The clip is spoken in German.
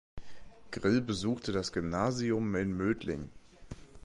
Grill besuchte das Gymnasium in Mödling.